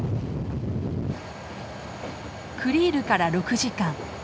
クリールから６時間